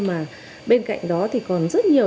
mà bên cạnh đó còn rất nhiều